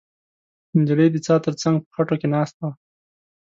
نجلۍ د څا تر څنګ په خټو کې ناسته وه.